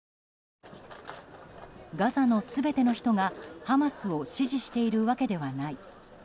ガザの全ての人がハマスを支持しているわけではない。